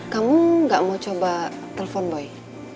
kamu gak mau coba telepon boy